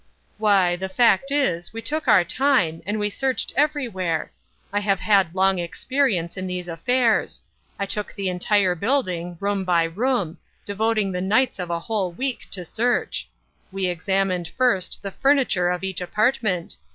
"Why the fact is, we took our time, and we searched everywhere. I have had long experience in these affairs. I took the entire building, room by room; devoting the nights of a whole week to each. We examined, first, the furniture of each apartment.